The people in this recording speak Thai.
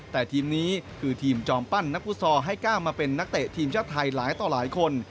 แต่ทีมนี้คือทีมจอมปั้นนักฟุตซอลให้ก้าวมาเป็นนักเตะทีมชาติไทยหลายต่อหลายคน